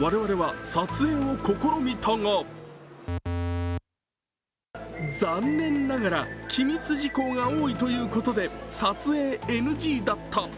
我々は撮影を試みたが残念ながら、機密事項が多いということで撮影ＮＧだった。